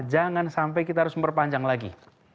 jangan sampai kita harus memperpanjang lagi